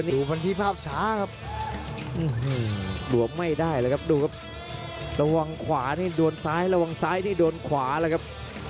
ดูกันที่ภาพช้าครับบวมไม่ได้เลยครับดูครับระวังขวานี่โดนซ้ายระวังซ้ายนี่โดนขวาแล้วครับ